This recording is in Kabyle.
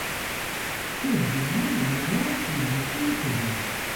Ssired-iyi merra si lbaṭel i xedmeɣ.